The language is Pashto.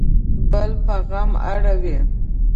بل په غم اړوي